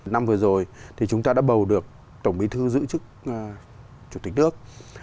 năm vừa rồi thì chúng ta đã bầu được tổng bí thư giữ chức chủ tịch nước